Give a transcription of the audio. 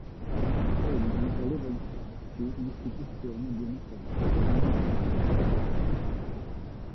Egli voleva infatti l'istituzione di una cattedra di diritto aeronautico.